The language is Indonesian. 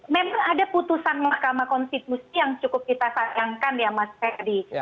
memang ada putusan mahkamah konstitusi yang cukup kita sayangkan ya mas ferdi